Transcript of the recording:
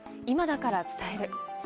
今だから伝える」。